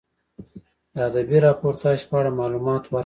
د ادبي راپورتاژ په اړه معلومات ورکړئ.